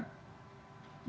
sebagai kekuatan super power kan